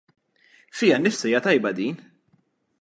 Fiha nnifisha hija tajba din!